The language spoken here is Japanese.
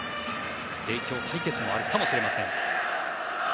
帝京対決もあるかもしれません。